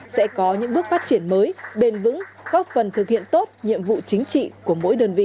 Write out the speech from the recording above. sẽ có những bước phát triển mới bền vững góp phần thực hiện tốt nhiệm vụ chính trị của mỗi đơn vị